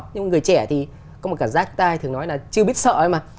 nhưng người trẻ thì có một cảm giác tay thường nói là chưa biết sợ ấy mà